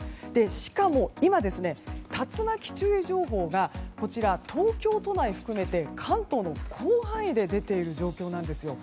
しかも今竜巻注意情報が東京都内含めて関東の広範囲で出ている状況なんですよ。